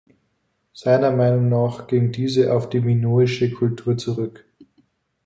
Seiner Meinung nach ging diese auf die minoische Kultur zurück.